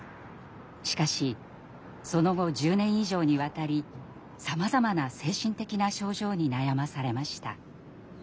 しかしその後１０年以上にわたりさまざまな精神的な症状に悩まされました。